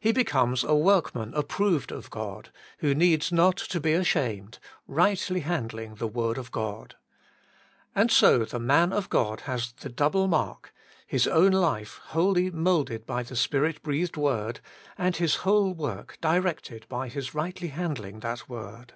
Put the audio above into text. He becomes a workman approved of God, who needs not to be ashamed, rightly handling the word of God. And so the man of God has the double mark — his own life wholly moulded by the Spirit breathed word — and his whole work directed by his rightly hand ling that word.